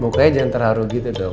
pokoknya jangan terharu gitu dong